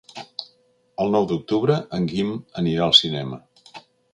El nou d'octubre en Guim anirà al cinema.